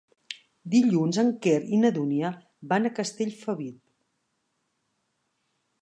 Dilluns en Quer i na Dúnia van a Castellfabib.